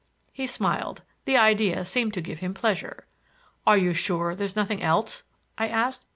He smiled; the idea seemed to give him pleasure. "Are you sure there's nothing else?" I asked.